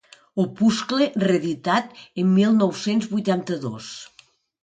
Opuscle reeditat en mil nou-cents vuitanta-dos.